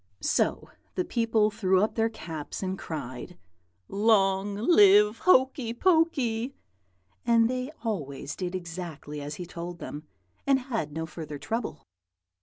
"So the people threw up their caps and cried, 'Long live Hokey Pokey!' and they always did exactly as he told them, and had no further trouble.